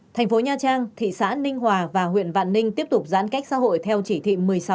thành phố nha trang thị xã ninh hòa và huyện vạn ninh tiếp tục giãn cách xã hội theo chỉ thị một mươi sáu